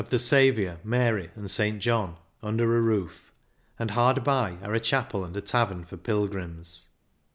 THE STELVIO 29 Saviour, Mary, and St. John, under a roof, and hard by are a chapel and a tavern for pilgrims.